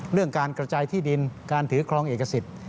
เรื่องการกระจายที่ดินการถือครองเอกสิทธิ์